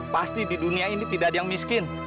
pasti di dunia ini tidak ada yang miskin